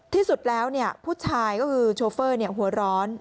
ที่สุดแล้วผู้ชายก็คือโชเฟอร์หัวร้อน